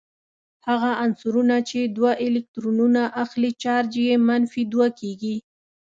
هغه عنصرونه چې دوه الکترونونه اخلې چارج یې منفي دوه کیږي.